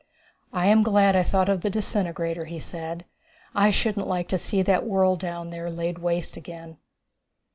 "I am glad I thought of the disintegrator," he said. "I shouldn't like to see that world down there laid waste again."